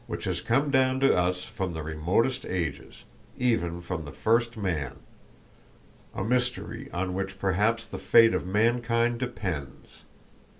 which has come down to us from the remotest ages, even from the first man—a mystery on which perhaps the fate of mankind depends.